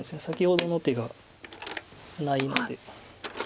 先ほどの手がないので。